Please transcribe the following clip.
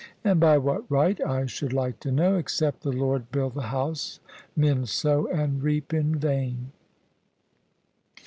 And by what right, I should like to know? Except the Lord build the house, men sow and reap in vain."